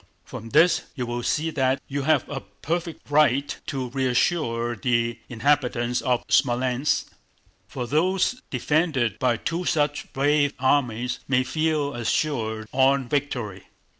From this you will see that you have a perfect right to reassure the inhabitants of Smolénsk, for those defended by two such brave armies may feel assured of victory."